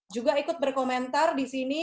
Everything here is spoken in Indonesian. juga ikut berkomentar di sini